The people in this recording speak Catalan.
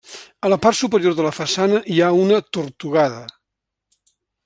A la part superior de la façana hi ha una tortugada.